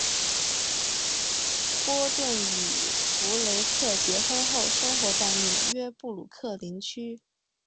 波顿与弗雷克结婚后生活在纽约布鲁克林区。